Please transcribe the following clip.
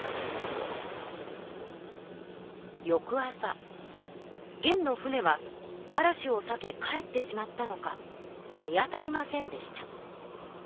よく朝元の船は嵐をさけ帰ってしまったのか見当たりませんでした。